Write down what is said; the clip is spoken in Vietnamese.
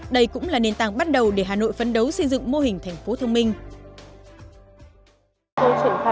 đây cũng là nền tảng bắt đầu để hà nội phấn đấu xây dựng mô hình tp thông minh